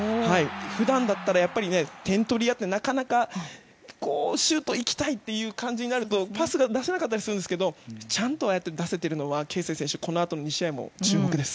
普段だったら点取り屋ってシュート行きたいという感じになるとパスが出せなかったりするんですけどちゃんとああやって出しているのは啓生選手、このあとの２試合も注目です。